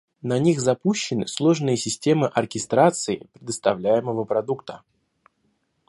На них запущены сложные системы оркестрации предоставляемого продукта.